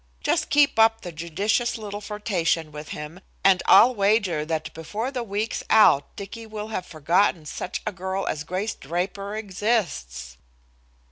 Just keep up a judicious little flirtation with him and I'll wager that before the week's out Dicky will have forgotten such a girl as Grace Draper exists."